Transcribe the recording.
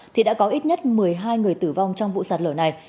thì đã có ít nhất một mươi hai người tử vong trong vụ sạt lở này